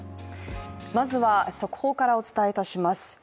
まずは速報からお伝えいたします。